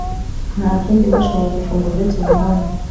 Nta kindi bashoboye gufungura uretse umuhanda